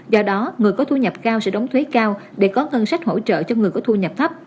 do đó người có thu nhập cao sẽ đóng thuế cao để có ngân sách hỗ trợ cho người có thu nhập thấp